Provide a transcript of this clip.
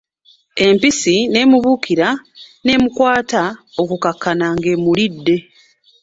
Empisi n'emubuukira n'emukwata okukkakana nga emulidde!